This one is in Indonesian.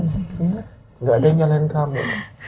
gak ada yang nyalain kamu